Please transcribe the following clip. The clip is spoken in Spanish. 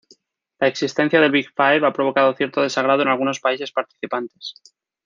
La existencia del "Big Five" ha provocado cierto desagrado en algunos países participantes.